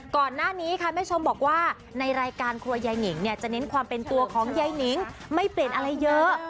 ก่อนหน้านี้ค่ะแม่ชมบอกว่าในรายการครัวยายนิงเนี่ยจะเน้นความเป็นตัวของยายนิงไม่เปลี่ยนอะไรเยอะ